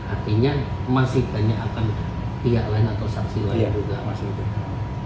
artinya masih banyak akan pihak lain atau saksi lain